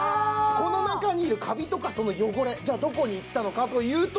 この中にいるカビとかその汚れじゃあどこに行ったのかというと。